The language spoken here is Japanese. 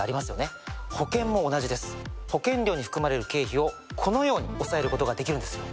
保険料に含まれる経費をこのように抑えることができるんですよ。